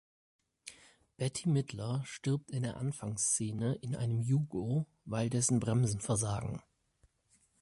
Bette Midler stirbt in der Anfangsszene in einem Yugo, weil dessen Bremsen versagen.